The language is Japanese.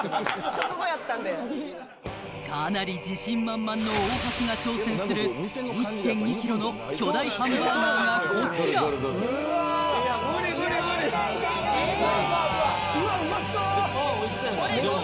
食後やったんでかなり自信満々の大橋が挑戦する１．２ｋｇの巨大ハンバーガーがこちらうわーっうわうわうわうわ